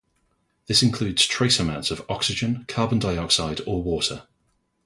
This includes trace amounts of oxygen, carbon dioxide or water.